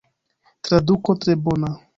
Traduko tre bona.